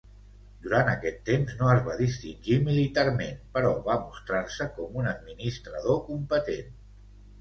Durant aquest temps no es va distingir militarment, però va mostrar-se com un administrador competent.